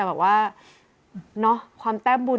โดนใต้